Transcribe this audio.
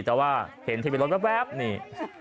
แต่ว่าเห็นทะเวียนรถแป๊บนี่๓๙๓๓